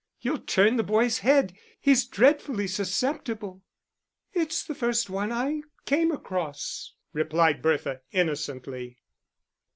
You'll turn the boy's head, he's dreadfully susceptible." "It's the first one I came across," replied Bertha, innocently.